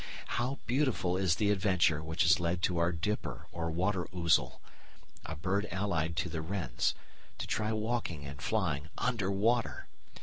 How beautiful is the adventure which has led our dipper or water ouzel a bird allied to the wrens to try walking and flying under water!